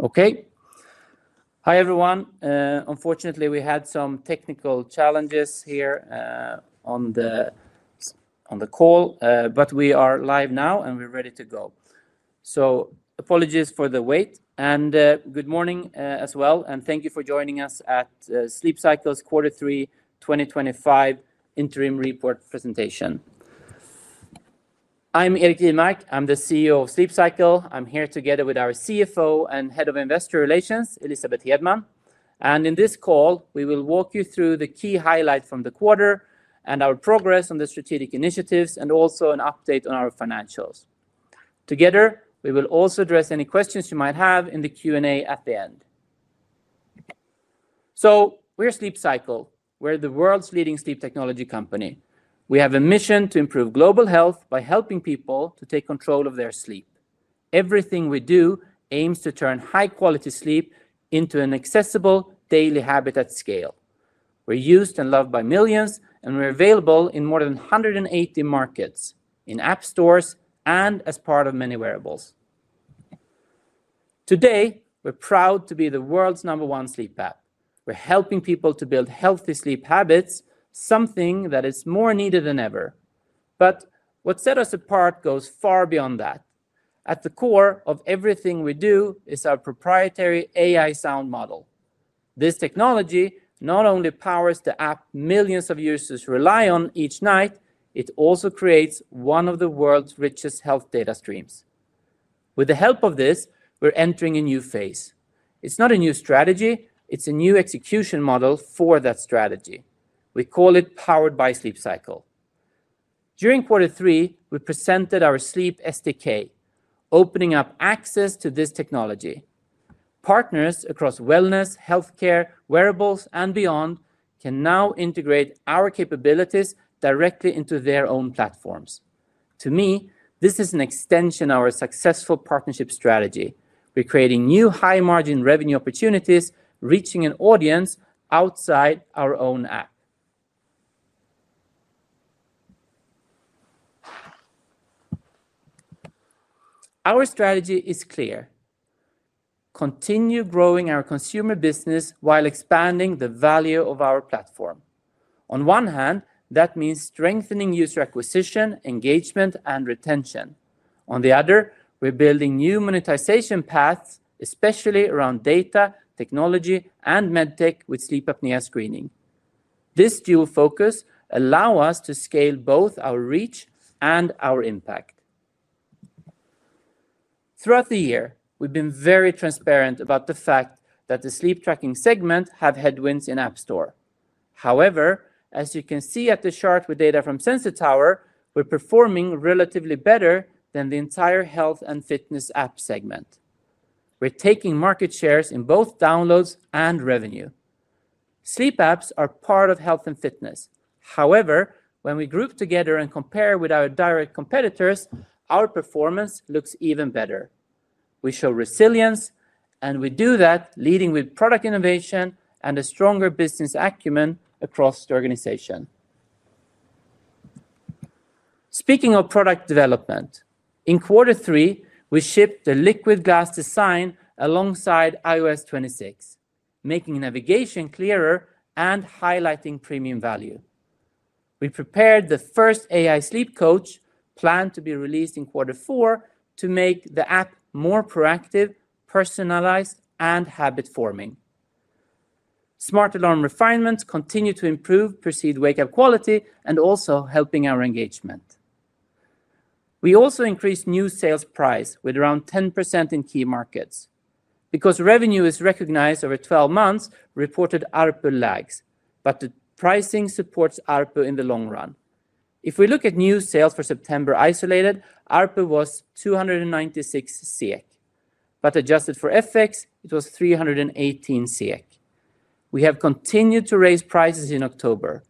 Okay. Hi, everyone. Unfortunately, we had some technical challenges here on the call, but we are live now and we're ready to go. Apologies for the wait. Good morning as well, and thank you for joining us at Sleep Cycle's Quarter Three 2025 interim report presentation. I'm Erik Jivmark. I'm the CEO of Sleep Cycle. I'm here together with our CFO and Head of Investor Relations, Elisabeth Hedman. In this call, we will walk you through the key highlights from the quarter and our progress on the strategic initiatives and also an update on our financials. Together, we will also address any questions you might have in the Q&A at the end. We're Sleep Cycle. We're the world's leading sleep technology company. We have a mission to improve global health by helping people to take control of their sleep. Everything we do aims to turn high-quality sleep into an accessible daily habit at scale. We're used and loved by millions, and we're available in more than 180 markets, in app stores, and as part of many wearables. Today, we're proud to be the world's number one sleep app. We're helping people to build healthy sleep habits, something that is more needed than ever. What sets us apart goes far beyond that. At the core of everything we do is our proprietary AI sound model. This technology not only powers the app millions of users rely on each night, it also creates one of the world's richest health data streams. With the help of this, we're entering a new phase. It's not a new strategy. It's a new execution model for that strategy. We call it Powered by Sleep Cycle. During Quarter Three, we presented our Sleep SDK, opening up access to this technology. Partners across wellness, healthcare, wearables, and beyond can now integrate our capabilities directly into their own platforms. To me, this is an extension of our successful partnership strategy. We're creating new high-margin revenue opportunities, reaching an audience outside our own app. Our strategy is clear: continue growing our consumer business while expanding the value of our platform. On one hand, that means strengthening user acquisition, engagement, and retention. On the other, we're building new monetization paths, especially around data, technology, and medtech with sleep apnea screening. This dual focus allows us to scale both our reach and our impact. Throughout the year, we've been very transparent about the fact that the sleep tracking segments have headwinds in the App Store. However, as you can see at the chart with data from SensorTower, we're performing relatively better than the entire health and fitness app segment. We're taking market shares in both downloads and revenue. Sleep apps are part of health and fitness. However, when we group together and compare with our direct competitors, our performance looks even better. We show resilience, and we do that leading with product innovation and a stronger business acumen across the organization. Speaking of product development, in Quarter Three, we shipped the liquid glass design alongside iOS 26, making navigation clearer and highlighting premium value. We prepared the first AI sleep coach, planned to be released in Quarter Four, to make the app more proactive, personalized, and habit-forming. Smart alarm refinements continue to improve perceived wake-up quality and also help our engagement. We also increased new sales price with around 10% in key markets. Because revenue is recognized over 12 months, we reported ARPU lags, but the pricing supports ARPU in the long run. If we look at new sales for September isolated, ARPU was 296. But adjusted for FX, it was 318. We have continued to raise prices in October.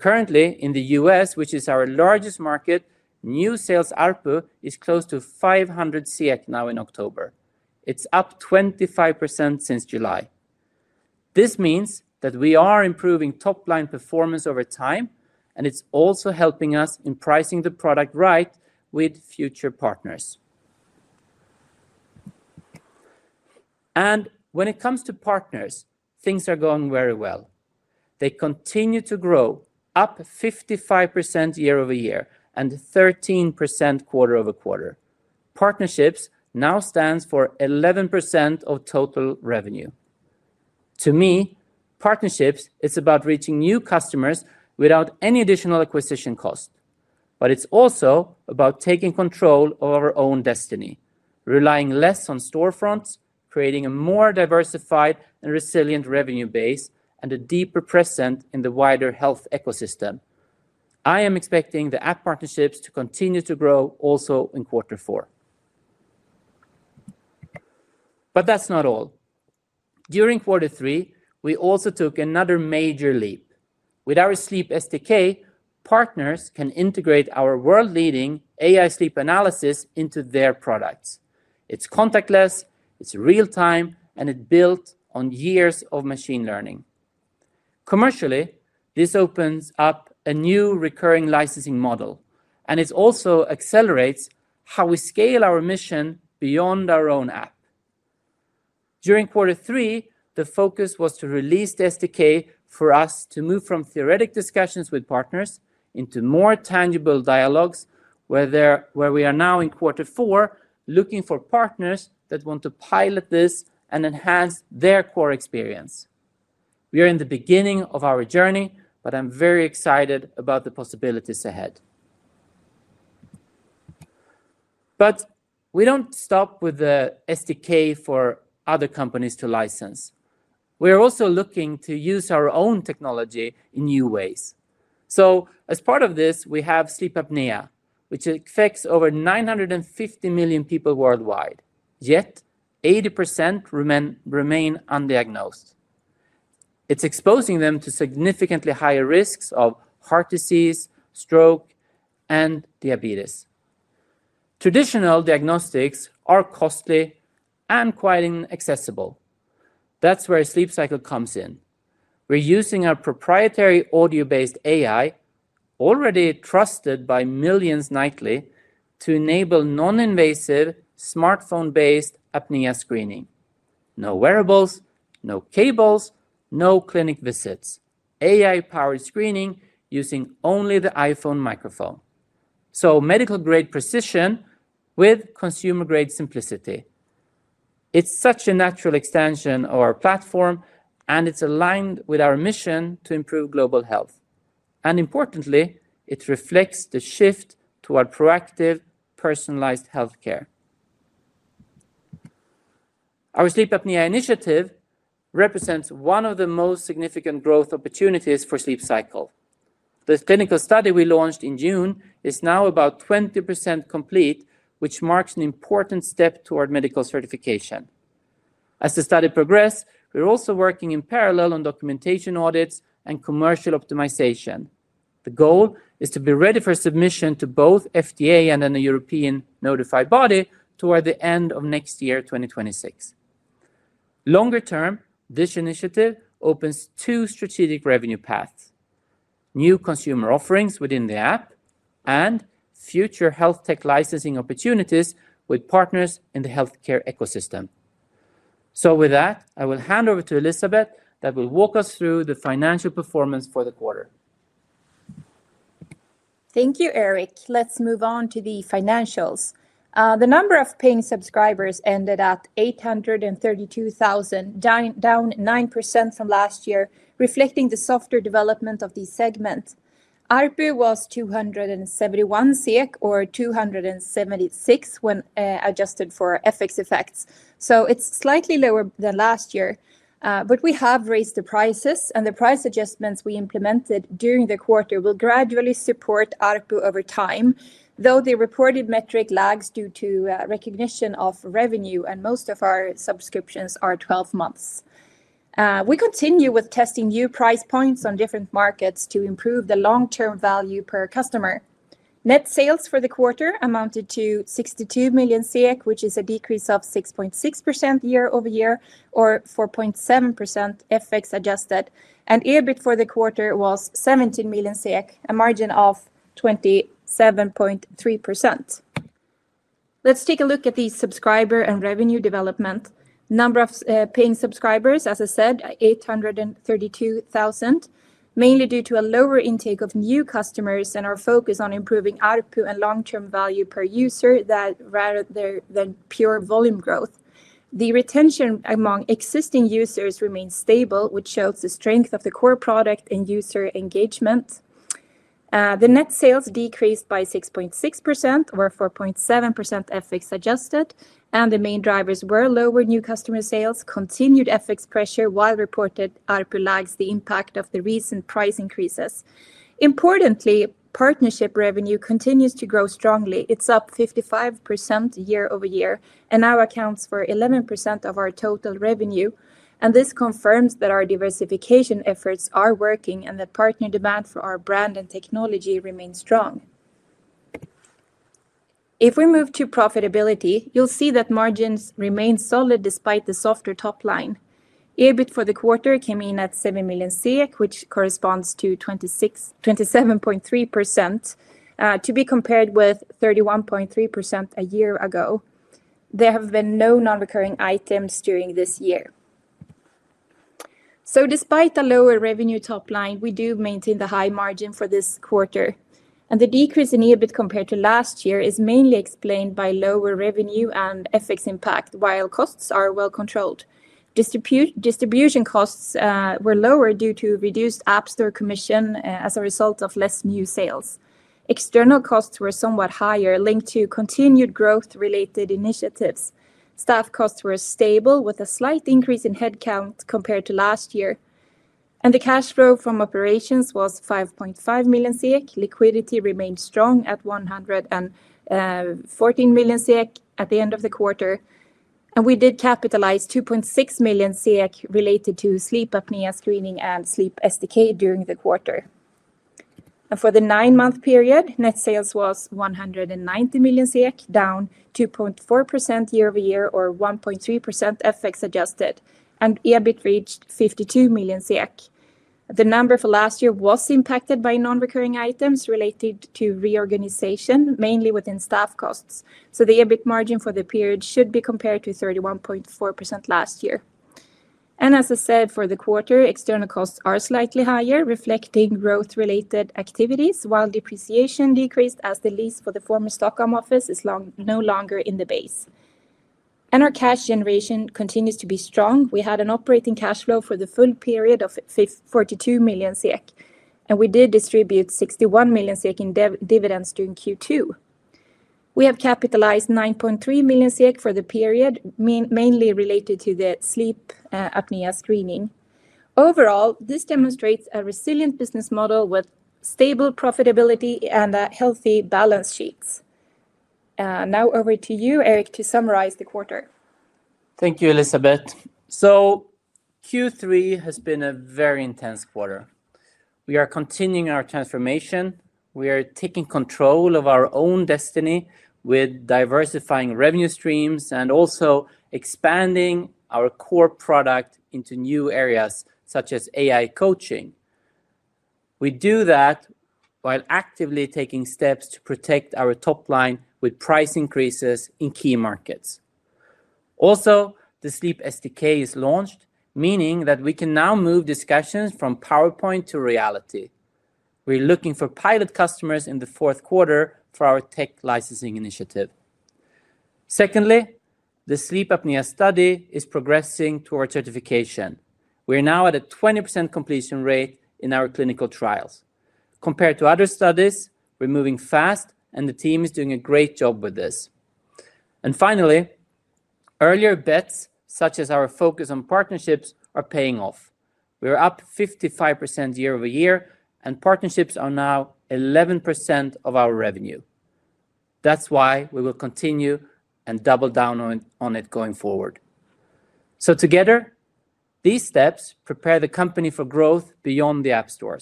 Currently, in the U.S., which is our largest market, new sales ARPU is close to 500 now in October. It's up 25% since July. This means that we are improving top-line performance over time, and it's also helping us in pricing the product right with future partners. When it comes to partners, things are going very well. They continue to grow, up 55% year-over-year and 13% quarter over quarter. Partnerships now stand for 11% of total revenue. To me, partnerships is about reaching new customers without any additional acquisition cost. It's also about taking control of our own destiny, relying less on storefronts, creating a more diversified and resilient revenue base, and a deeper presence in the wider health ecosystem. I am expecting the app partnerships to continue to grow also in Quarter Four. That's not all. During Quarter Three, we also took another major leap. With our Powered by Sleep SDK, partners can integrate our world-leading AI sleep analysis into their products. It's contactless, it's real-time, and it's built on years of machine learning. Commercially, this opens up a new recurring licensing model, and it also accelerates how we scale our mission beyond our own app. During Quarter Three, the focus was to release the SDK for us to move from theoretic discussions with partners into more tangible dialogues, where we are now in Quarter Four looking for partners that want to pilot this and enhance their core experience. We are in the beginning of our journey, but I'm very excited about the possibilities ahead. We don't stop with the SDK for other companies to license. We are also looking to use our own technology in new ways. As part of this, we have sleep apnea, which affects over 950 million people worldwide. Yet, 80% remain undiagnosed. It's exposing them to significantly higher risks of heart disease, stroke, and diabetes. Traditional diagnostics are costly and quite inaccessible. That's where Sleep Cycle comes in. We're using our proprietary audio-based AI, already trusted by millions nightly, to enable non-invasive smartphone-based apnea screening. No wearables, no cables, no clinic visits. AI-powered screening using only the iPhone microphone. Medical-grade precision with consumer-grade simplicity. It's such a natural extension of our platform, and it's aligned with our mission to improve global health. Importantly, it reflects the shift toward proactive, personalized healthcare. Our sleep apnea initiative represents one of the most significant growth opportunities for Sleep Cycle. The clinical study we launched in June is now about 20% complete, which marks an important step toward medical certification. As the study progresses, we're also working in parallel on documentation audits and commercial optimization. The goal is to be ready for submission to both FDA and then a European notified body toward the end of next year, 2026. Longer term, this initiative opens two strategic revenue paths: new consumer offerings within the app and future health tech licensing opportunities with partners in the healthcare ecosystem. With that, I will hand over to Elisabeth Hedman that will walk us through the financial performance for the quarter. Thank you, Erik. Let's move on to the financials. The number of paying subscribers ended at 832,000, down 9% from last year, reflecting the softer development of the segment. ARPU was 271 or 276 when adjusted for FX effects. It's slightly lower than last year. We have raised the prices, and the price adjustments we implemented during the quarter will gradually support ARPU over time, though the reported metric lags due to recognition of revenue, and most of our subscriptions are 12 months. We continue with testing new price points on different markets to improve the long-term value per customer. Net sales for the quarter amounted to 62 million, which is a decrease of 6.6% year-over-year or 4.7% FX adjusted. EBIT for the quarter was 17 million, a margin of 27.3%. Let's take a look at the subscriber and revenue development. The number of paying subscribers, as I said, 832,000, mainly due to a lower intake of new customers and our focus on improving ARPU and long-term value per user rather than pure volume growth. The retention among existing users remains stable, which shows the strength of the core product and user engagement. Net sales decreased by 6.6% or 4.7% FX adjusted. The main drivers were lower new customer sales and continued FX pressure, while reported ARPU lags the impact of the recent price increases. Importantly, partnership revenue continues to grow strongly. It's up 55% year-over-year and now accounts for 11% of our total revenue. This confirms that our diversification efforts are working and that partner demand for our brand and technology remains strong. If we move to profitability, you'll see that margins remain solid despite the softer top line. EBIT for the quarter came in at 7 million, which corresponds to 27.3% to be compared with 31.3% a year ago. There have been no non-recurring items during this year. Despite the lower revenue top line, we do maintain the high margin for this quarter. The decrease in EBIT compared to last year is mainly explained by lower revenue and FX impact, while costs are well controlled. Distribution costs were lower due to reduced App Store commission as a result of less new sales. External costs were somewhat higher, linked to continued growth-related initiatives. Staff costs were stable with a slight increase in headcount compared to last year. The cash flow from operations was 5.5 million. Liquidity remained strong at 114 million at the end of the quarter. We did capitalize 2.6 million related to sleep apnea screening and Sleep Cycle SDK during the quarter. For the nine-month period, net sales was CHF 190 million, down 2.4% year-over-year or 1.3% FX adjusted. EBIT reached 52 million. The number for last year was impacted by non-recurring items related to reorganization, mainly within staff costs. The EBIT margin for the period should be compared to 31.4% last year. As I said, for the quarter, external costs are slightly higher, reflecting growth-related activities, while depreciation decreased as the lease for the former Stockholm office is no longer in the base. Our cash generation continues to be strong. We had an operating cash flow for the full period of CHF 42 million. We did distribute CHF 61 million in dividends during Q2. We have capitalized CHF 9.3 million for the period, mainly related to the sleep apnea screening. Overall, this demonstrates a resilient business model with stable profitability and healthy balance sheets. Now over to you, Erik, to summarize the quarter. Thank you, Elisabeth. Q3 has been a very intense quarter. We are continuing our transformation. We are taking control of our own destiny with diversifying revenue streams and also expanding our core product into new areas, such as AI coaching. We do that while actively taking steps to protect our top line with price increases in key markets. Also, the Powered by Sleep SDK is launched, meaning that we can now move discussions from PowerPoint to reality. We're looking for pilot customers in the fourth quarter for our tech licensing initiative. Secondly, the sleep apnea screening solution study is progressing toward certification. We're now at a 20% completion rate in our clinical trials. Compared to other studies, we're moving fast, and the team is doing a great job with this. Earlier bets, such as our focus on partnerships, are paying off. We're up 55% year-over-year, and partnerships are now 11% of our revenue. That's why we will continue and double down on it going forward. Together, these steps prepare the company for growth beyond the App Store.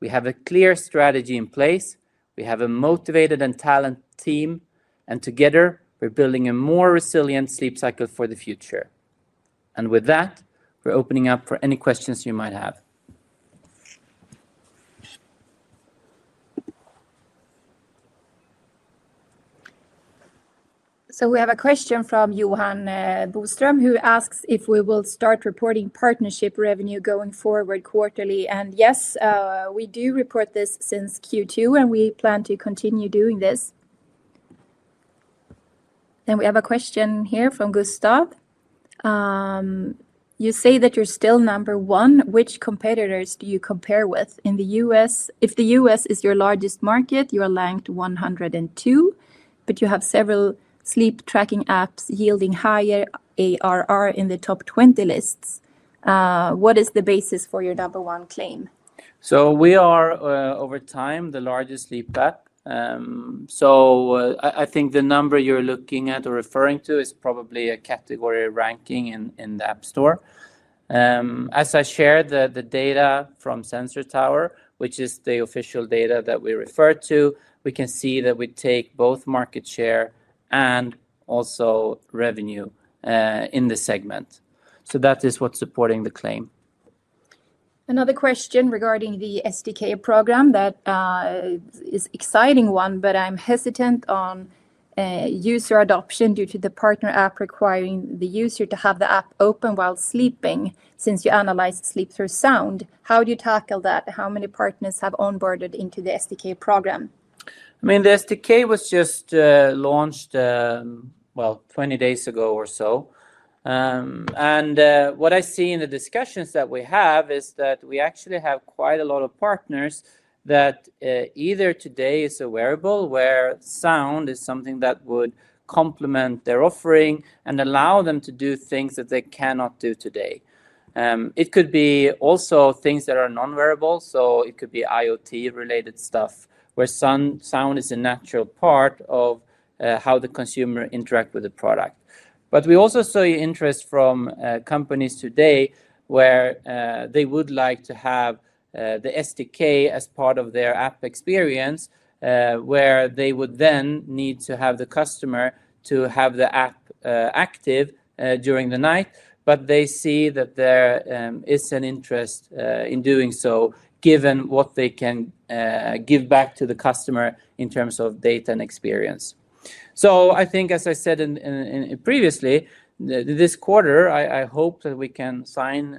We have a clear strategy in place. We have a motivated and talented team. Together, we're building a more resilient Sleep Cycle for the future. With that, we're opening up for any questions you might have. We have a question from Johan Boström, who asks if we will start reporting partnership revenue going forward quarterly. Yes, we do report this since Q2, and we plan to continue doing this. We have a question here from Gustav. You say that you're still number one. Which competitors do you compare with? In the U.S., if the U.S. is your largest market, you are ranked 102, but you have several sleep tracking apps yielding higher ARR in the top 20 lists. What is the basis for your number one claim? We are, over time, the largest sleep app. I think the number you're looking at or referring to is probably a category ranking in the App Store. As I shared, the data from SensorTower, which is the official data that we refer to, we can see that we take both market share and also revenue in the segment. That is what's supporting the claim. Another question regarding the SDK program. That is an exciting one, but I'm hesitant on user adoption due to the partner app requiring the user to have the app open while sleeping since you analyze sleep through sound. How do you tackle that? How many partners have onboarded into the SDK program? The SDK was just launched, 20 days ago or so. What I see in the discussions that we have is that we actually have quite a lot of partners that either today is a wearable where sound is something that would complement their offering and allow them to do things that they cannot do today. It could also be things that are non-wearable. It could be IoT-related stuff where sound is a natural part of how the consumer interacts with the product. We also saw interest from companies today where they would like to have the SDK as part of their app experience, where they would then need to have the customer have the app active during the night. They see that there is an interest in doing so, given what they can give back to the customer in terms of data and experience. As I said previously, this quarter, I hope that we can sign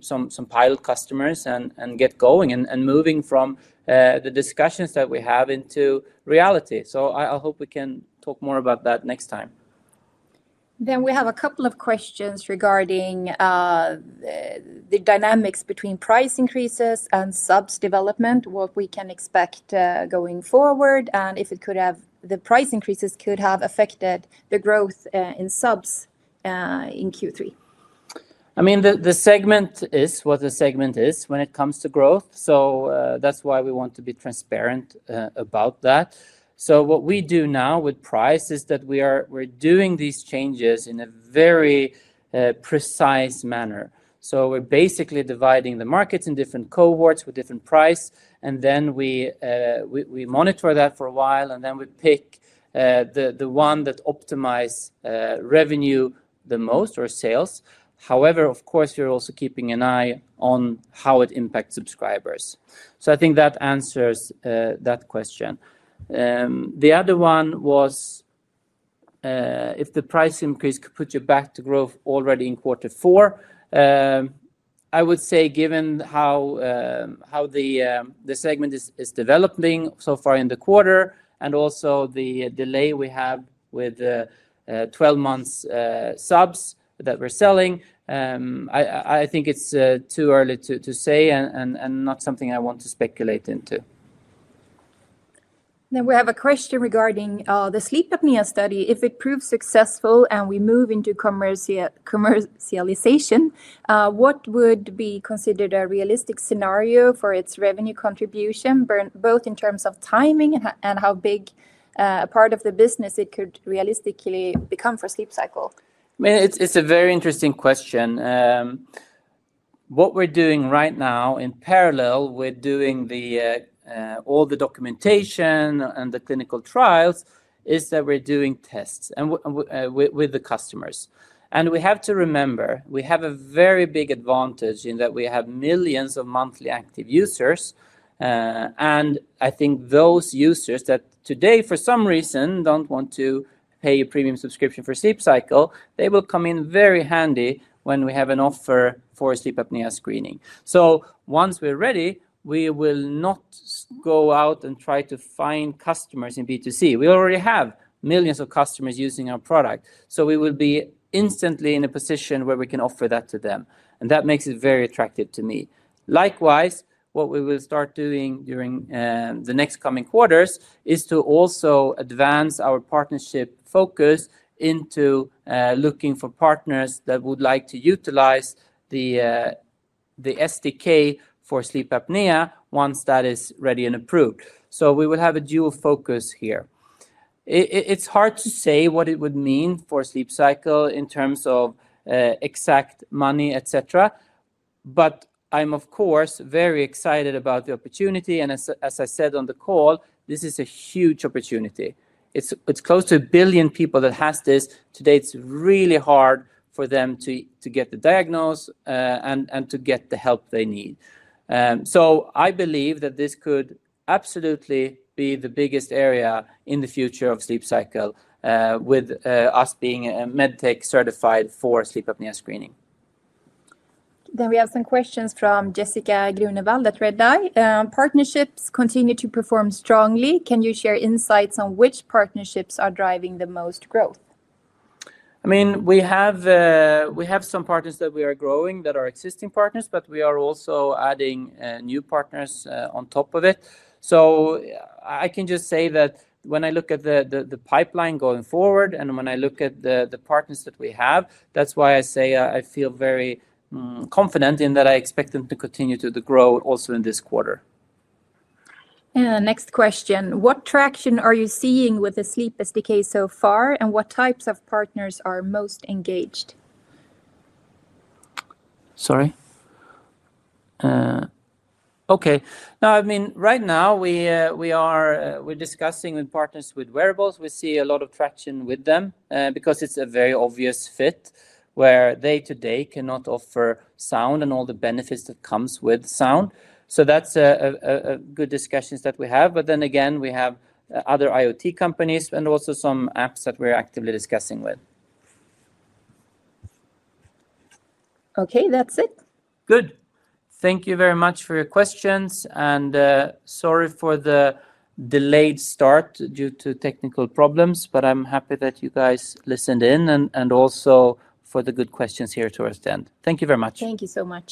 some pilot customers and get going and moving from the discussions that we have into reality. I hope we can talk more about that next time. We have a couple of questions regarding the dynamics between price increases and subs development, what we can expect going forward, and if the price increases could have affected the growth in subs in Q3. The segment is what the segment is when it comes to growth. That’s why we want to be transparent about that. What we do now with price is that we're doing these changes in a very precise manner. We're basically dividing the markets in different cohorts with different prices. We monitor that for a while, and then we pick the one that optimizes revenue the most or sales. Of course, we're also keeping an eye on how it impacts subscribers. I think that answers that question. The other one was if the price increase could put you back to growth already in Quarter Four. I would say, given how the segment is developing so far in the quarter and also the delay we have with the 12-month subs that we're selling, I think it's too early to say and not something I want to speculate into. We have a question regarding the sleep apnea study. If it proves successful and we move into commercialization, what would be considered a realistic scenario for its revenue contribution, both in terms of timing and how big a part of the business it could realistically become for Sleep Cycle? It's a very interesting question. What we're doing right now in parallel, we're doing all the documentation and the clinical trials, is that we're doing tests with the customers. We have to remember, we have a very big advantage in that we have millions of monthly active users. I think those users that today, for some reason, don't want to pay a premium subscription for Sleep Cycle, they will come in very handy when we have an offer for sleep apnea screening. Once we're ready, we will not go out and try to find customers in B2C. We already have millions of customers using our product. We will be instantly in a position where we can offer that to them, and that makes it very attractive to me. Likewise, what we will start doing during the next coming quarters is to also advance our partnership focus into looking for partners that would like to utilize the SDK for sleep apnea once that is ready and approved. We will have a dual focus here. It's hard to say what it would mean for Sleep Cycle in terms of exact money, etc. I'm, of course, very excited about the opportunity. As I said on the call, this is a huge opportunity. It's close to a billion people that have this. Today, it's really hard for them to get diagnosed and to get the help they need. I believe that this could absolutely be the biggest area in the future of Sleep Cycle with us being medtech certified for sleep apnea screening. We have some questions from Jessica Grunewald at Redeye. Partnerships continue to perform strongly. Can you share insights on which partnerships are driving the most growth? We have some partners that we are growing that are existing partners, but we are also adding new partners on top of it. I can just say that when I look at the pipeline going forward and when I look at the partners that we have, that's why I say I feel very confident in that I expect them to continue to grow also in this quarter. Next question. What traction are you seeing with the Powered by Sleep SDK so far, and what types of partners are most engaged? Okay. Right now we are discussing with partners with wearables. We see a lot of traction with them because it's a very obvious fit where they today cannot offer sound and all the benefits that come with sound. That's a good discussion that we have. We have other IoT companies and also some apps that we're actively discussing with. Okay, that's it. Good. Thank you very much for your questions. Sorry for the delayed start due to technical problems, but I'm happy that you guys listened in and also for the good questions here towards the end. Thank you very much. Thank you so much.